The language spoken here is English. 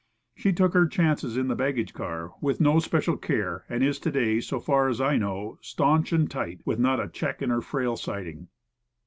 She took her chances in the baggage car, with no special care, and is to day, so far as I know, staunch and tight, with not a check in her frail siding.